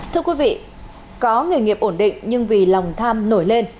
thưa quý vị có nghề nghiệp ổn định nhưng vì lòng tham nổi lên